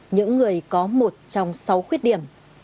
những người có một trong sáu khuyết điểm